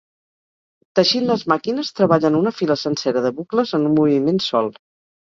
Teixint les màquines treballen una fila sencera de bucles en un moviment sol.